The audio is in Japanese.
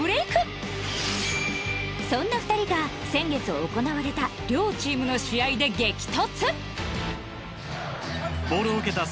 そんな２人が先月行われた両チームの試合で激突！